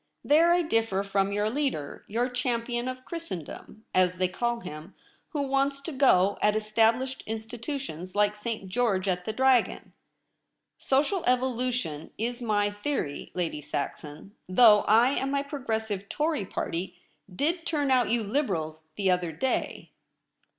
There I differ from your leader — your Champion of Christendom, as they call him — who wants to go at established Institutions like St. George at the dragon. Social evolution Is my theory. Lady Saxon, though I and my Progressive Tory Party did turn out you Liberals the other day.'